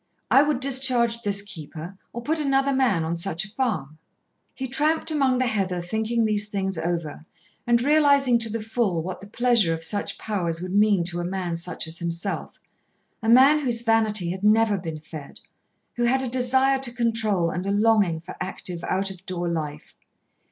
I would discharge this keeper or put another man on such a farm." He tramped among the heather thinking these things over, and realising to the full what the pleasure of such powers would mean to a man such as himself, a man whose vanity had never been fed, who had a desire to control and a longing for active out of door life.